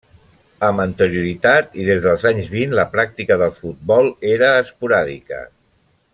Amb anterioritat i des dels anys vint la pràctica del futbol era esporàdica.